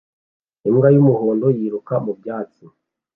Imbwa y'umuhondo yiruka mu byatsi